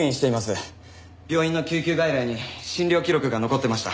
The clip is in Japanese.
病院の救急外来に診療記録が残ってました。